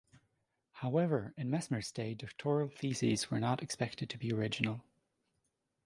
However, in Mesmer's day doctoral theses were not expected to be original.